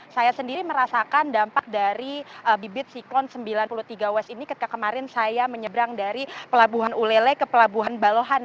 saya sendiri merasakan dampak dari bibit siklon sembilan puluh tiga w ini ketika kemarin saya menyeberang dari pelabuhan ulele ke pelabuhan balohan